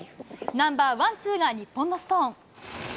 ナンバーワン、ツーが日本のストーン。